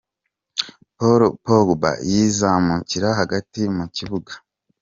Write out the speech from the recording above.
Paul Pogba yizamukira hagati mu kibuga.